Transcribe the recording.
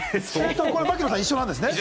槙野さん、一緒なんですね？